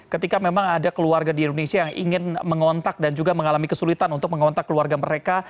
ketika memang ada keluarga di indonesia yang ingin mengontak dan juga mengalami kesulitan untuk mengontak keluarga mereka